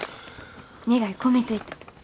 願い込めといた。